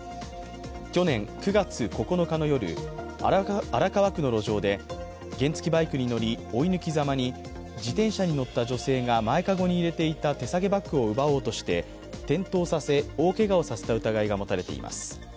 去年９月９日の夜、荒川区の路上で原付バイクに乗り、追い抜きざまに自転車に乗っていた女性が前かごに入れていた手提げバッグを奪おうとして転倒させ大けがをさせた疑いがもたれています。